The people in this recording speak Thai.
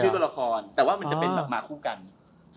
ชื่อตัวละครแต่ว่ามันจะเป็นมาคู่กันเสมอ